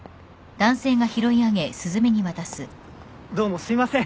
どうもすいません。